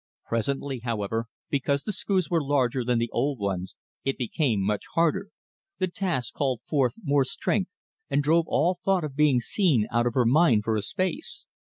Presently, however, because the screws were larger than the old ones, it became much harder; the task called forth more strength, and drove all thought of being seen out of her mind for a space.